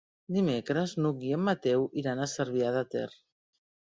Dimecres n'Hug i en Mateu iran a Cervià de Ter.